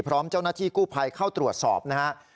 พร้อมเจ้าหน้าที่กู้ภัยเข้าตรวจสอบนะครับ